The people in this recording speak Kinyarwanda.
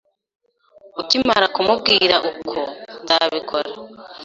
Ukimara kumbwira uko, nzabikora.